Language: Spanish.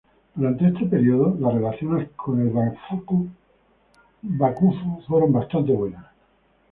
Durante este período, las relaciones con el Bakufu fueron bastante buenas.